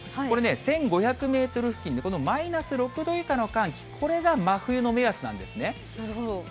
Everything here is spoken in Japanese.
これね、１５００メートル付近でこのマイナス６度以下の寒気、これが真冬なるほど。